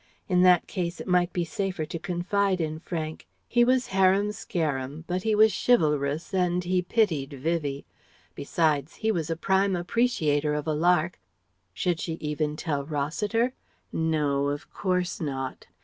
In that case it might be safer to confide in Frank. He was harum scarum, but he was chivalrous and he pitied Vivie. Besides he was a prime appreciator of a lark. Should she even tell Rossiter? No, of course not.